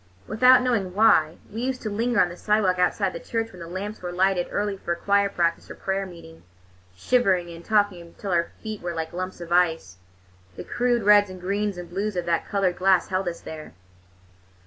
Without knowing why, we used to linger on the sidewalk outside the church when the lamps were lighted early for choir practice or prayer meeting, shivering and talking until our feet were like lumps of ice. The crude reds and greens and blues of that colored glass held us there.